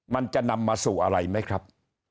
มันจะนำมาสู่อะไรไหมครับ